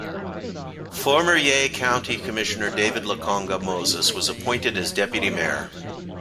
Former Yei County Commissioner David Lokonga Moses was appointed as deputy mayor.